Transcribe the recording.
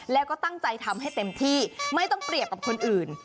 แล้วก็ตั้งใจทำให้เต็มที่ไม่ต้องเปรียบกับคนอื่น